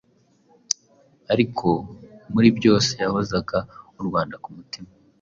Ariko, muri byose yahozaga u Rwanda ku mutima,